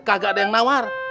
kagak ada yang nawar